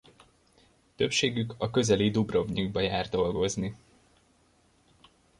Többségük a közeli Dubrovnikba jár dolgozni.